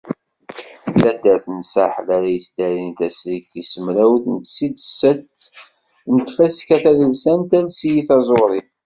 D taddart n Saḥel ara yesdarin tazrigt tis mraw d seddiset n tfaska tadelsant Ales-iyi-d taẓuri.